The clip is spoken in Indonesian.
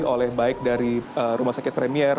oleh baik dari rumah sakit premier